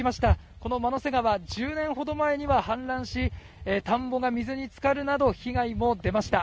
この万之瀬川１０年ほど前には氾濫し田んぼが水につかるなど被害も出ました。